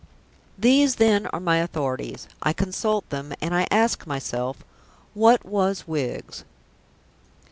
These then are my authorities; I consult them, and I ask myself, What was Wiggs?